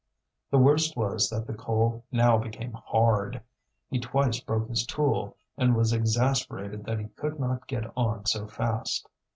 The worst was that the coal now became hard; he twice broke his tool, and was exasperated that he could not get on so fast.